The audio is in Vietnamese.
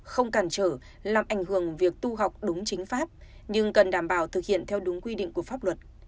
không cản trở làm ảnh hưởng việc tu học đúng chính pháp nhưng cần đảm bảo thực hiện theo đúng quy định của pháp luật